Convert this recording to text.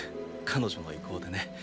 彼女の意向でね。